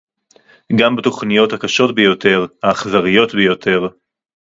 גם בתוכניות הקשות ביותר, האכזריות ביותר